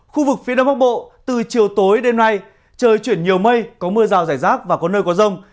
khu vực phía đông bắc bộ từ chiều tối đêm nay trời chuyển nhiều mây có mưa rào rải rác và có nơi có rông